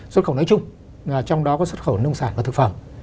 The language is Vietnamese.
xuất khẩu nói chung trong đó có xuất khẩu nông sản và thực phẩm